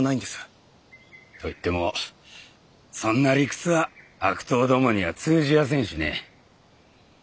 と言ってもそんな理屈は悪党どもには通じやせんしね。